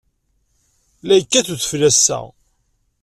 La yekkat udfel ass-a.